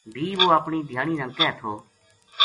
بھی وہ اپنی دھیانی نا کہہ تھو